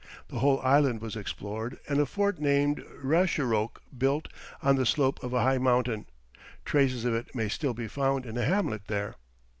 The whole island was explored and a fort named Richeroque built on the slope of a high mountain; traces of it may still be found in a hamlet there.